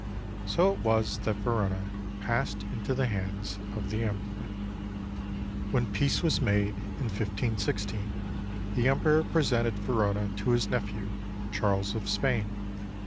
So it was that Verona passed into the hands of the Emperor. When peace was made, in 15 16, the Emperor presented Verona to his nephew, Charles of Spain.